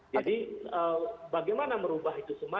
jadi bagaimana merubah itu semua